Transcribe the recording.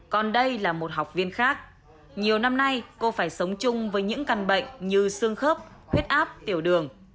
còn đây là một học viên khác nhiều năm nay cô phải sống chung với những căn bệnh như xương khớp huyết áp tiểu đường